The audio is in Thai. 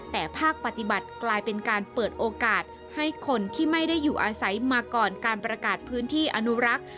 แต่ภาคปฏิบัติกลายเป็นการเปิดโอกาสให้คนที่ไม่ได้อยู่อาศัยมาก่อนการประกาศพื้นที่อนุรักษ์